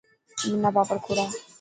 منا پاپڙ کوڙا.